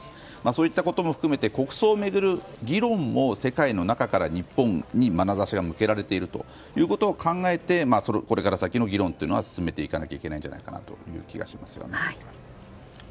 そういったことも含めて国葬を巡る議論も世界の中から日本にまなざしが向けられているということを考えてこれから先の議論を進めていかなきゃいけない気がしますね。